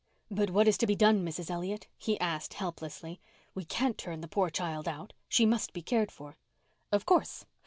"But what is to be done, Mrs. Elliott?" he asked helplessly. "We can't turn the poor child out. She must be cared for." "Of course.